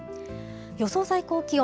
予想最高気温。